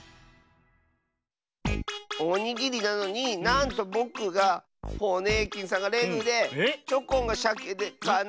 おにぎりなのになんとぼくがホネーキンさんがレグでチョコンがシャケでかなしかったよ。